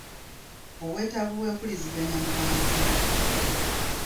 Obwetaavu bw’empuliziganya mu bantu